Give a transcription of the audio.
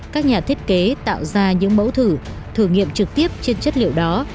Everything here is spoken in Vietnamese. các nhà thiết kế tạo ra những mẫu thử thử nghiệm trực tiếp trên chất liệu đó